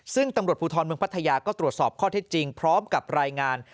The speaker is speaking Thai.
ซึ่งตำรวจภูทรเมืองพัทยาก็ตรวจสอบข้อเท็จจริงพร้อมกับรายงาน